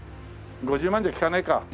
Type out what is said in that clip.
５０万じゃ利かないか。